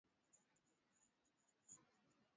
Msitu wa Amazon una eneo kubwa Eneo